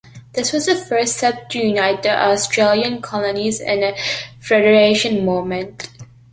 It was the first step to unite the Australian colonies in an federation movement.